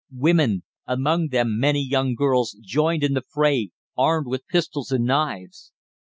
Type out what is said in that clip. Women, among them many young girls, joined in the fray, armed with pistols and knives.